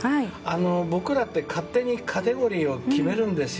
僕らって勝手にカテゴリーを決めるんですよ。